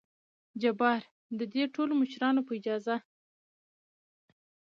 جبار : دې ټولو مشرانو په اجازه!